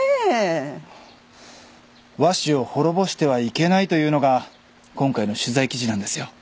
和紙を滅ぼしてはいけないというのが今回の取材記事なんですよ。